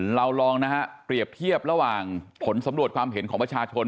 เราลองนะฮะเปรียบเทียบระหว่างผลสำรวจความเห็นของประชาชน